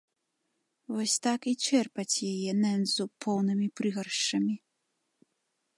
Вось так і чэрпаць яе, нэндзу, поўнымі прыгаршчамі.